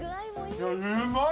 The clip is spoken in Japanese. うまい！